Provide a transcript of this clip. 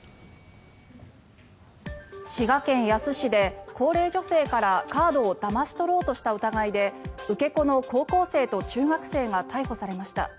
滋賀県野洲市で高齢女性からカードをだまし取ろうとした疑いで受け子の高校生と中学生が逮捕されました。